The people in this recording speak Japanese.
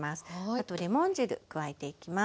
あとレモン汁加えていきます。